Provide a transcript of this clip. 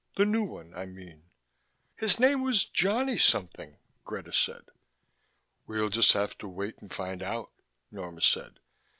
"The new one, I mean." "His name was Johnny something," Greta said. "We'll just have to wait and find out," Norma said.